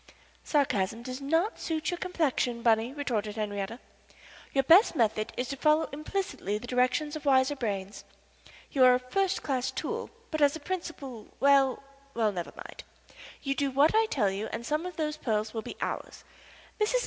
"Sarcasm does not suit your complexion, Bunny," retorted Henriette. "Your best method is to follow implicitly the directions of wiser brains. You are a first class tool, but as a principal well well, never mind. You do what I tell you and some of those pearls will be ours. Mrs.